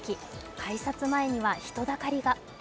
改札前には人だかりが。